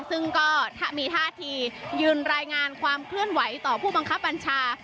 ซึ่งก็มีท่าทียืนรายงานความเคลื่อนไหวต่อผู้บังคับบัญชา